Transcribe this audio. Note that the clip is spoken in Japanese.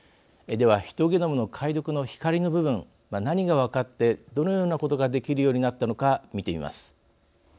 では、ヒトゲノムの解読の光の部分何が分かって、どのようなことができるようになったのか見てみます。